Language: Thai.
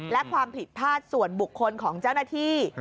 และความผิดพลาดส่วนบุคคลของเจ้าหน้าที่